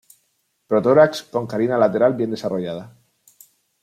Protórax con carina lateral bien desarrollada.